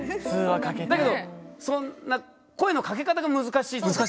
だけど声の掛け方が難しいってことか。